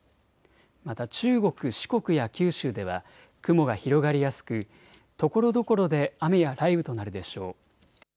また中国、四国や九州では雲が広がりやすくところどころで雨や雷雨となるでしょう。